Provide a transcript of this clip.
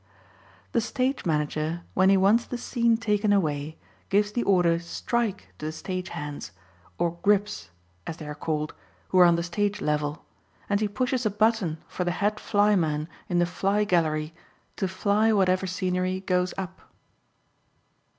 The stage manager, when he wants the scene taken away, gives the order "strike" to the stage hands, or "grips," as they are called, who are on the stage level, and he pushes a button for the head flyman in the "fly gallery" to fly whatever scenery goes up.